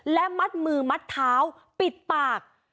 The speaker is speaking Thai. และมัดมือมัดเท้าปิดปาก